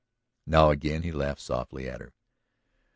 Now again he laughed softly at her.